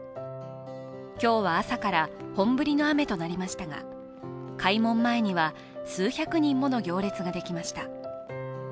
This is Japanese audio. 今日は朝から本降りの雨となりましたが、開門前には数百人もの行列ができました。